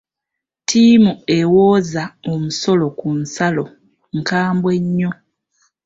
Ttiimu ewooza omusolo ku nsalo nkambwe nnyo.